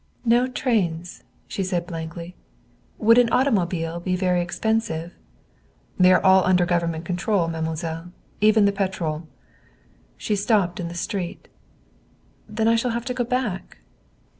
"No trains!" she said blankly. "Would an automobile be very expensive?" "They are all under government control, mademoiselle. Even the petrol." She stopped in the street. "Then I shall have to go back."